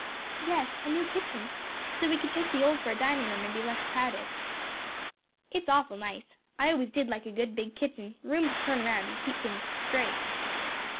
"Yes; a new kitchen; so we could take the old for a dining room and be less crowded." "It's awful nice; I always did like a good big kitching; room to turn round and keep things straight."